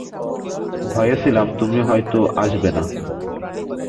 ভয়ে ছিলাম তুমি হয়তো আসবে না।